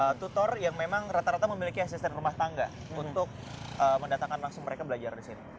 ada tutor yang memang rata rata memiliki asisten rumah tangga untuk mendatangkan langsung mereka belajar di sini